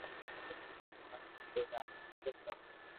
ھمج مي ڪوئي آوي ڪيڪر ڪرو